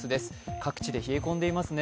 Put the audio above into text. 各地で冷え込んでいますね。